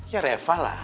ya reva lah